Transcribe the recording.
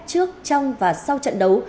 trước trong và sau trận đấu